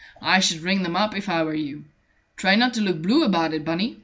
"I should ring them up, if I were you. Try not to look blue about it, Bunny.